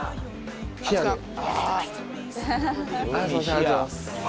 ありがとうございます。